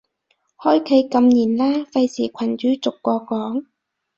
開啟禁言啦，費事群主逐個講